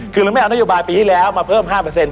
คือเราไม่เอานโยบายปีที่แล้วมาเพิ่ม๕